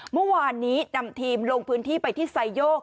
เมื่อวานนี้นำทีมลงพื้นที่ไปที่ไซโยก